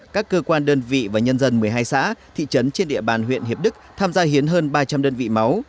các cơ quan đơn vị và nhân dân một mươi hai xã thị trấn trên địa bàn huyện hiệp đức tham gia hiến hơn ba trăm linh đơn vị máu